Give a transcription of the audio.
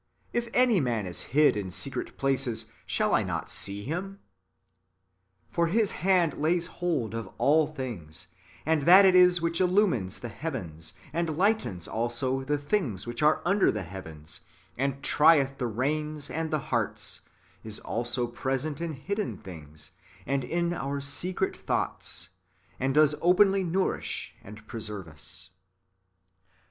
If any man is hid in secret places, shall I not see him ?"^ For His hand lays hold of all things, and that it is which illumines the heavens, and lightens also the things which are under the heavens, and trieth the reins and the hearts, is also present in hidden things, and in our secret [thoughts], and does openly nourish and preserve us.